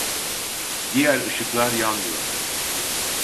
Diğer ışıklar yanmıyor